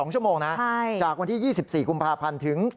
๒ชั่วโมงนะจากวันที่๒๔กุมภาพันธ์ถึง